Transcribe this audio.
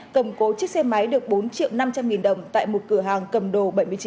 cầm cố chiếc xe máy được bốn triệu năm trăm linh nghìn đồng tại một cửa hàng cầm đồ bảy mươi chín